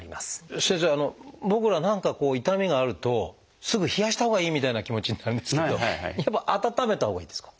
先生僕ら何かこう痛みがあるとすぐ冷やしたほうがいいみたいな気持ちになるんですけどやっぱ温めたほうがいいんですか？